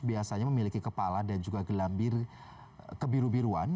biasanya memiliki kepala dan juga gelambir kebiru biruan